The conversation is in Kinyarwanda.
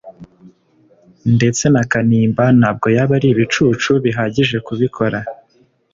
Ndetse na Kanimba ntabwo yaba ari ibicucu bihagije kubikora